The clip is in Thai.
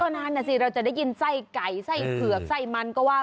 นานนะสิเราจะได้ยินไส้ไก่ไส้เผือกไส้มันก็ว่า